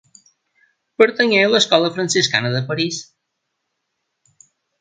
Pertanyé a l'escola franciscana de París.